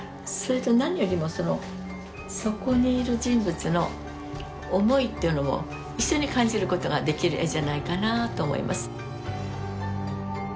それと何よりもそのそこにいる人物の思いっていうのも一緒に感じることができる絵じゃないかなあと思います。